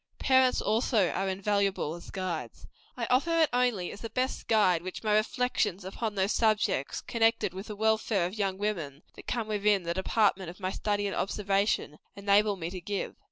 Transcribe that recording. Parents, also, are invaluable as guides. I offer it only as the best guide which my reflections upon those subjects, connected with the welfare of young women, that come within the department of my study and observation, enable me to give.